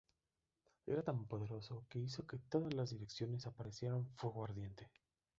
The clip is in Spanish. Era tan poderoso que hizo que en todas las direcciones apareciera fuego ardiente.